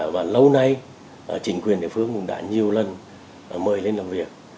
và lâu nay chính quyền địa phương cũng đã nhiều lần mời lên làm việc